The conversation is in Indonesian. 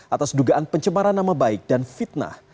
atas dugaan pencemaran nama baik dan fitnah